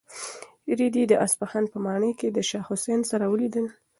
رېدي د اصفهان په ماڼۍ کې د شاه حسین سره ولیدل.